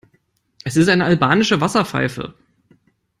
Es ist eine albanische Wasserpfeife.